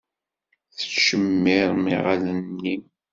Tettcemmiṛeɣ iɣallen-im.